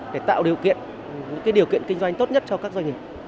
để tạo điều kiện những điều kiện kinh doanh tốt nhất cho các doanh nghiệp